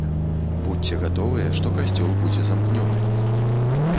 Будзьце гатовыя, што касцёл будзе замкнёны.